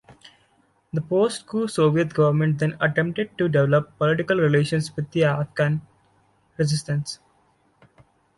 The post-coup Soviet government then attempted to develop political relations with the Afghan resistance.